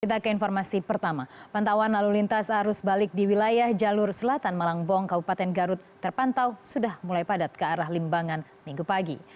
kita ke informasi pertama pantauan lalu lintas arus balik di wilayah jalur selatan malangbong kabupaten garut terpantau sudah mulai padat ke arah limbangan minggu pagi